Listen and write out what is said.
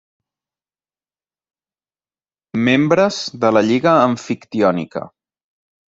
Membres de la Lliga amfictiònica.